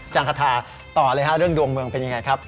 จังคาถาต่อเลยฮะเรื่องดวงเมืองเป็นยังไงครับ